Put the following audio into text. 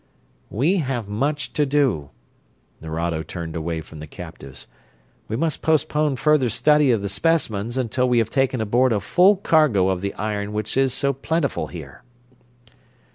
"We have much to do." Nerado turned away from the captives. "We must postpone further study of the specimens until we have taken aboard a full cargo of the iron which is so plentiful here."